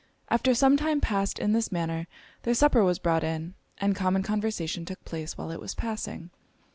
After some time passed in this manner, their supper was brought in, and common conversation took place while it was passing.